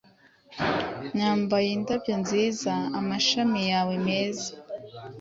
nambaye indabyo nziza; Amashami yawe meza